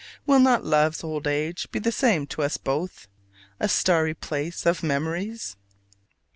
Will not Love's old age be the same to us both a starry place of memories?